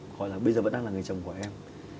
gọi là bây giờ vẫn đang là người chồng của em